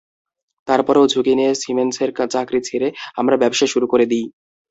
তারপরও ঝুঁকি নিয়ে সিমেন্সের চাকরি ছেড়ে আমরা ব্যবসা শুরু করে দিই।